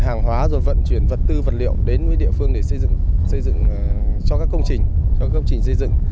hàng hóa rồi vận chuyển vật tư vật liệu đến với địa phương để xây dựng cho các công trình xây dựng